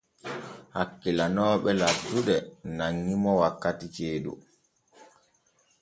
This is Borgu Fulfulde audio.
Hakkilanooɓe laddude nanŋi mo wakkati ceeɗu.